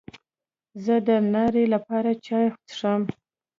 زه د ناري لپاره چای څښم.